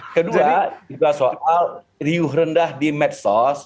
kedua juga soal riuh rendah di medsos